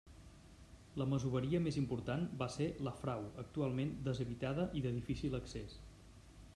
La masoveria més important va ser La Frau, actualment deshabitada i de difícil accés.